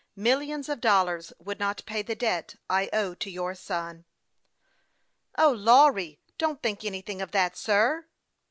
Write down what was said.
Millions of dollars would not pay the debt I owe to your son." " O, Lawry don't think anything of that, sir